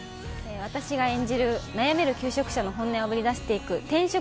私が演じる悩める求職者の本音をあぶり出していく転職